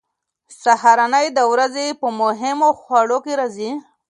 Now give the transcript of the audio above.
سهارنۍ د ورځې په مهمو خوړو کې راځي.